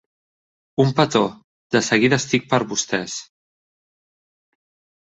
Un petó, de seguida estic per vostès.